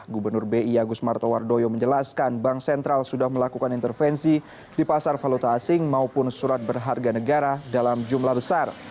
gubernur bi agus martowardoyo menjelaskan bank sentral sudah melakukan intervensi di pasar valuta asing maupun surat berharga negara dalam jumlah besar